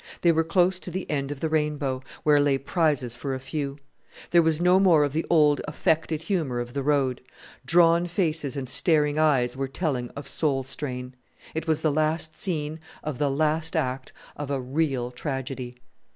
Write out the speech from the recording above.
They were close to the end of the rainbow, where lay prizes for a few. There was no more of the old affected humour of the road. Drawn faces and staring eyes were telling of soul strain. It was the last scene of the last act of a real tragedy!